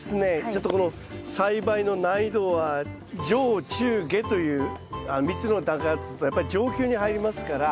ちょっとこの栽培の難易度は上中下という３つの段階だとするとやっぱり上級に入りますから。